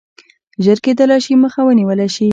ژر کېدلای شي مخه ونیوله شي.